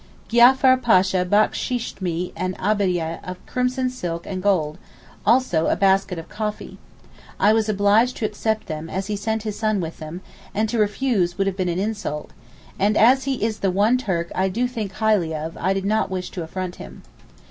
Giafar Pasha backsheeshed me an abbayeh of crimson silk and gold, also a basket of coffee. I was obliged to accept them as he sent his son with them, and to refuse would have been an insult, and as he is the one Turk I do think highly of I did not wish to affront him.